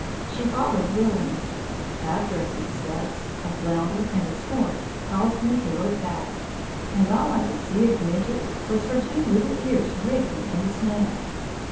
She followed willingly. After a few steps, a flounder and a snort caused me to look back, and all I could see of Midget was her two little ears wriggling in the snow.